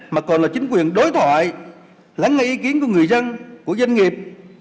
mà còn là chính quyền đối thoại lắng nghe ý kiến của người dân của doanh nghiệp